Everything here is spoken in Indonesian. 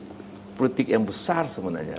ini suatu prinsip politik yang besar sebenarnya